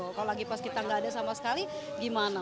kalau lagi pas kita nggak ada sama sekali gimana